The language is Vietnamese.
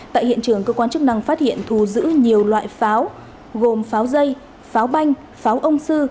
tại hiện trường cơ quan chức năng phát hiện thù giữ nhiều loại pháo gồm pháo dây pháo banh pháo ông sư